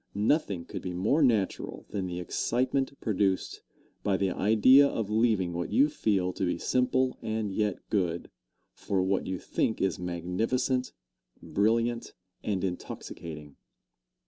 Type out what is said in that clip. Nothing could be more natural than the excitement produced by the idea of leaving what you feel to be simple and yet good, for what you think is magnificent, brilliant and intoxicating.